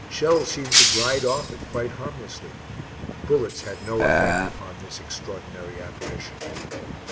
Shells seemed to glide off it quite harmlessly. Bullets had no effect upon this extraordinary apparition.